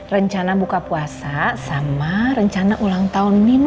rencana buka puasa sama rencana ulang tahun minus